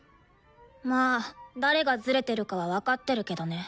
まあ誰がズレてるかは分かってるけどね。